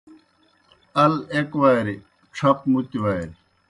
ال ایْک واریْ، ڇھپ مُتیْ واریْ